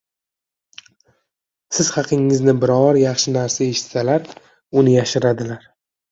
Siz haqingizda biror yaxshi narsa eshitsalar, uni yashiradilar.